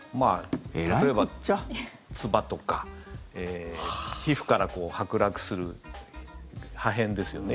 例えば、つばとか皮膚から剥落する破片ですよね。